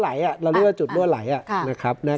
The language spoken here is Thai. อย่างนี้เราเรียกว่าจุดรั่วไหลอ่ะครับอ่า